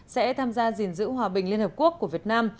sẽ tham gia gìn giữ hòa bình liên hợp quốc của việt nam